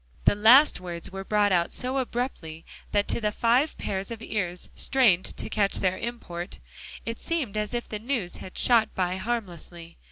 The last words were brought out so abruptly, that to the five pairs of ears strained to catch their import, it seemed as if the news had shot by harmlessly.